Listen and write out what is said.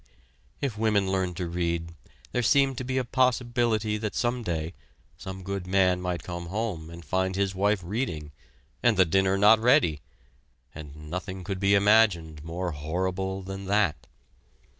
If women learned to read there seemed to be a possibility that some day some good man might come home and find his wife reading, and the dinner not ready and nothing could be imagined more horrible than that!